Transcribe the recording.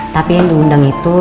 tapi di undang itu